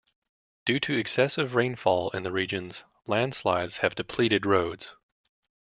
Due to excessive rainfall in the regions, land slides have depleted roads.